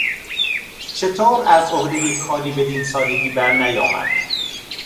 چطور از عهدهی کاری بدین سادگی برنیامد؟